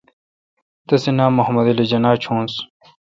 تسی نام محمد علی جناح چونس۔